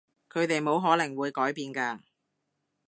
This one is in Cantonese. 佢哋冇可能會改變㗎